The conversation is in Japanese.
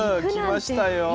きましたよ。